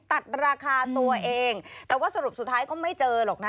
ตัดราคาตัวเองแต่ว่าสรุปสุดท้ายก็ไม่เจอหรอกนะ